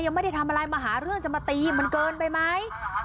ยังไม่ได้ทำอะไรมาหาเรื่องจะมาตีมันเกินไปไหม